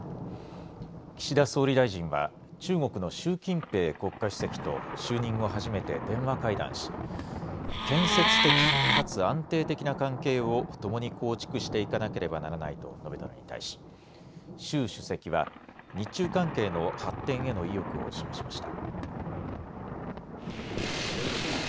岸田総理大臣は中国の習近平国家主席と就任後、初めて電話会談し建設的かつ安定的な関係をともに構築していかなければならないと述べたのに対し習主席は日中関係の発展への意欲を示しました。